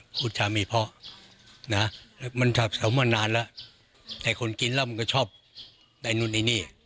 พูดชามีพ่อนะมันถามมานานแล้วแต่คนกินแล้วมันก็ชอบได้นุ่นในนี่